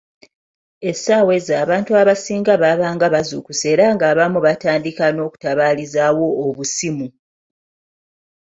Essaawa ezo abantu abasinga baabanga bazuukuse era ng'abamu batandika n'okutabaalizaawo obusimu.